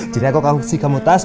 jadi aku kasih kamu tas